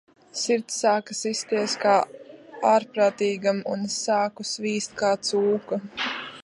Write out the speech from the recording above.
Sirds sāka sisties kā ārprātīgam, un es sāku svīst kā cūka.